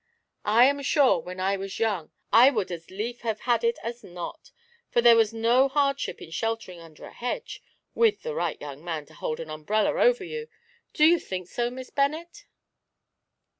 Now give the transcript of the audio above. I am sure, when I was young, I would as lief have had it as not, for there was no hardship in sheltering under a hedge, with the right young man to hold an umbrella over you, do you think so, Miss Bennet?"